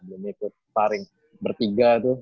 dia ikut sparring bertiga tuh